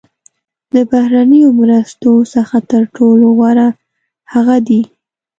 د بهرنیو مرستو څخه تر ټولو غوره هغه دي.